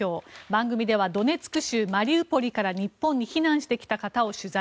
番組ではドネツク州マリウポリから日本に避難してきた方を取材。